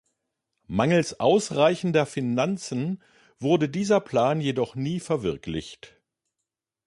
Mangels ausreichender Finanzen wurde dieser Plan jedoch nie verwirklicht.